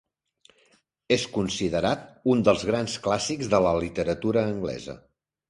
És considerat un dels grans clàssics de la literatura anglesa.